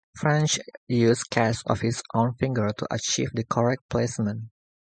French used casts of his own fingers to achieve the correct placement.